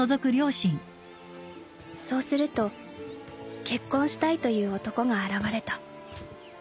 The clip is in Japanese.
［そうすると結婚したいという男が現れた］